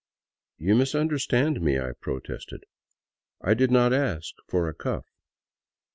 " You misunderstand me," I protested, " I did not ask for a cuff."